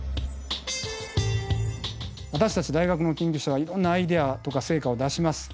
私たち大学の研究者はいろんなアイデアとか成果を出します。